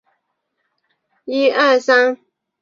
史密斯生于昆士兰布里斯班哈密尔顿市。